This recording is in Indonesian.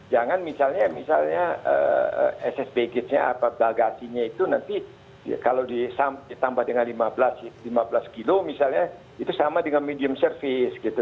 jangan misalnya ssb gatesnya atau bagasinya itu nanti kalau ditambah dengan lima belas kilo misalnya itu sama dengan medium service gitu